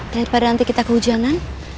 daripada nanti kita kehujanan